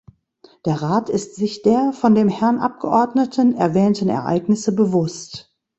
Der Rat ist sich der von dem Herrn Abgeordneten erwähnten Ereignisse bewusst.